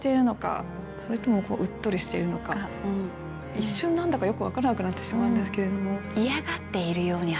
一瞬何だかよく分からなくなってしまうんですけれども。